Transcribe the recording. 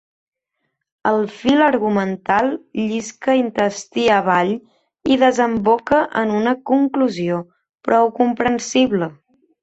El fil argumental llisca intestí avall i desemboca en una conclusió prou comprensible.